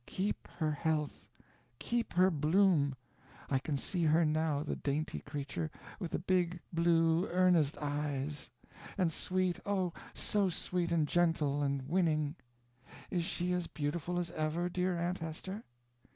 Keep her health. Keep her bloom! I can see her now, the dainty creature with the big, blue, earnest eyes; and sweet, oh, so sweet and gentle and winning! Is she as beautiful as ever, dear Aunt Hester?"